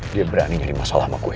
dia berani nyari masalah sama gue